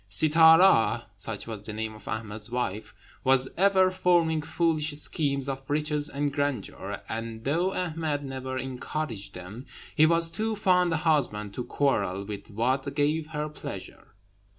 Sittâra, such was the name of Ahmed's wife, was ever forming foolish schemes of riches and grandeur; and though Ahmed never encouraged them, he was too fond a husband to quarrel with what gave her pleasure.